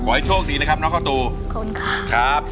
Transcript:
ขอให้โชคดีนะครับน้องข้าวตูขอบคุณค่ะครับ